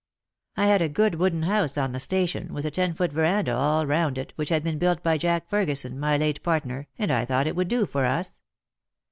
I had a good wooden house on the station, with a ten foot verandah all round it, which had been built by Jack Ferguson, my late partner, and I thought it would do for us.